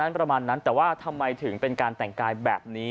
ประมาณนั้นแต่ว่าทำไมถึงเป็นการแต่งกายแบบนี้